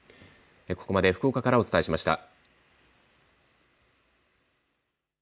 ここまで福岡からお伝えしました。